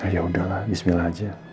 ya udahlah bismillah aja